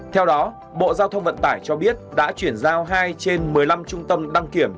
theo đó bộ giao thông vận tải cho biết đã chuyển giao hai trên một mươi năm trung tâm đăng kiểm